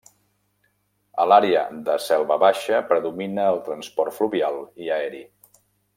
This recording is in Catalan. A l'àrea de selva baixa predomina el transport fluvial i aeri.